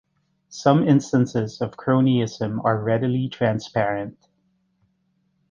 Some instances of cronyism are readily transparent.